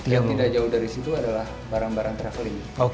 yang tidak jauh dari situ adalah barang barang traveling